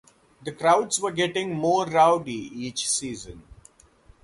The crowds were getting more rowdy each season.